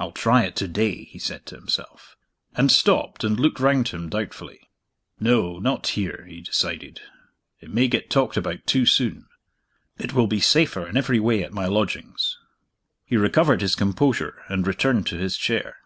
"I'll try it to day!" he said to himself and stopped, and looked round him doubtfully. "No, not here," he decided; "it may get talked about too soon. It will be safer in every way at my lodgings." He recovered his composure, and returned to his chair.